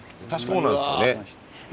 そうなんですよね。